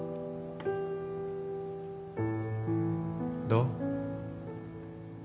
どう？